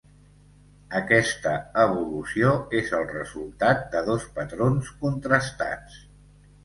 Aquesta evolució és el resultat de dos patrons contrastats.